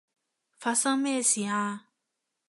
發生咩事啊？